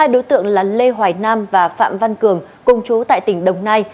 hai đối tượng là lê hoài nam và phạm văn cường cùng chú tại tỉnh đồng nai